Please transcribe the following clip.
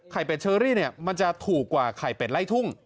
เป็ดเชอรี่เนี่ยมันจะถูกกว่าไข่เป็ดไล่ทุ่ง